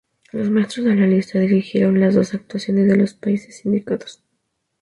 Los maestros de la lista dirigieron las dos actuaciones de los países indicados.